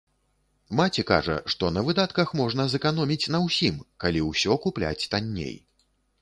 Маці кажа, што на выдатках можна зэканоміць на ўсім, калі ўсе купляць танней.